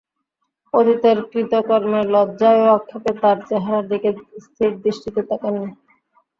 অতীতের কৃতকর্মের লজ্জায় ও আক্ষেপে তার চেহারার দিকে স্থির দৃষ্টিতে তাকাননি।